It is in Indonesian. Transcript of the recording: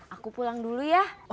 aku pulang dulu ya